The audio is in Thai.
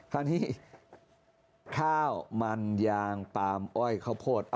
คราวนี้ข้าวมันยางปาล์มอ้อยข้าวโพด